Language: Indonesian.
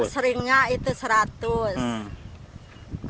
seringnya itu rp seratus